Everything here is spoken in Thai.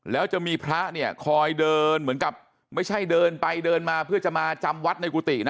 แล้วจะมีพระเนี่ยคอยเดินเหมือนกับไม่ใช่เดินไปเดินมาเพื่อจะมาจำวัดในกุฏินะ